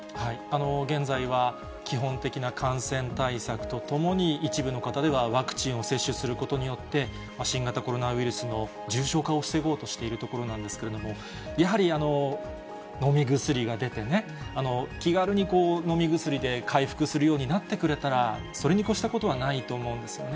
現在は、基本的な感染対策とともに、一部の方ではワクチンを接種することによって、新型コロナウイルスの重症化を防ごうとしているところなんですけれども、やはり、飲み薬が出てね、気軽に飲み薬で回復するようになってくれたら、それに越したことはないと思うんですよね。